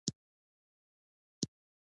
تودوخه د افغان ماشومانو د زده کړې موضوع ده.